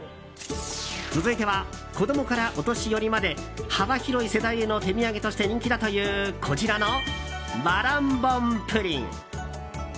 続いては、子供からお年寄りまで幅広い世代への手土産として人気だというこちらの和卵盆ぷりん。